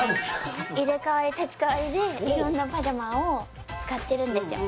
入れ代わり立ち代わりで色んなパジャマを使ってるんですよ